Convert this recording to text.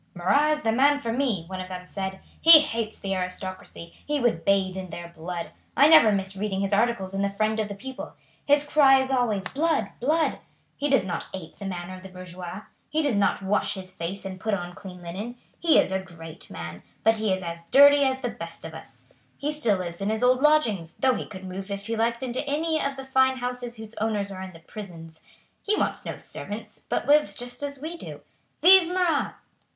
"Marat is the man for me," one of them said. "He hates the aristocracy; he would bathe in their blood. I never miss reading his articles in the Friend of the People. His cry is always 'Blood! Blood!' He does not ape the manner of the bourgeois. He does not wash his face and put on clean linen. He is a great man, but he is as dirty as the best of us. He still lives in his old lodgings, though he could move if he liked into any of the fine houses whose owners are in the prisons. He wants no servants, but lives just as we do. Vive Marat!"